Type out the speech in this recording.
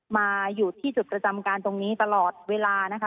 มาอยู่ที่จุดประจำการตรงนี้ตลอดเวลานะคะ